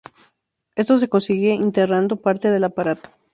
Esto se consigue enterrando parte del aparato.